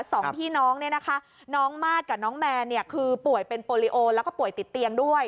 สองพี่น้องเนี่ยนะคะน้องมาสกับน้องแมนเนี่ยคือป่วยเป็นโปรลิโอแล้วก็ป่วยติดเตียงด้วย